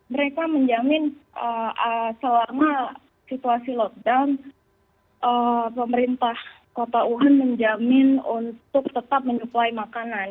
mereka menjamin selama situasi lockdown pemerintah kota wuhan menjamin untuk tetap menyuplai makanan